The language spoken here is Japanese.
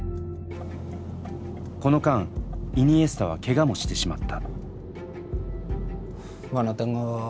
この間イニエスタはケガもしてしまった。